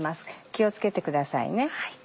気を付けてくださいね。